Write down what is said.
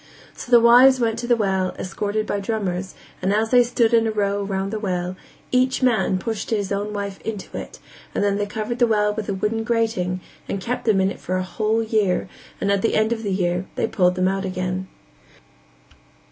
So the wives went to the well, escorted by drummers, and as they stood in a row round the well, each man pushed his own wife into it and then they covered the well with a wooden grating and kept them in it for a whole year and at the end of the year they pulled them out again.